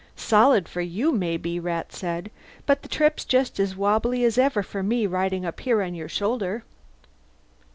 "Solid for you, maybe," Rat said. "But the trip's just as wobbly as ever for me, riding up here on your shoulder."